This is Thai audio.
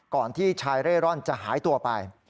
ก่อนที่ชายเร่ร่อนจะหายตัวไป